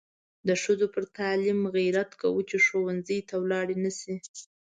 د ښځو پر تعلیم غیرت کوو چې ښوونځي ته ولاړې نشي.